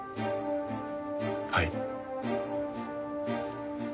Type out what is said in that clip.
はい。